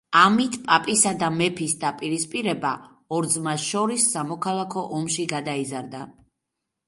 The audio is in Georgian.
ამით პაპისა და მეფის დაპირისპირება ორ ძმას შორის სამოქალაქო ომში გადაიზარდა.